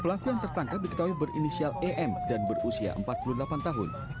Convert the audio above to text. pelaku yang tertangkap diketahui berinisial em dan berusia empat puluh delapan tahun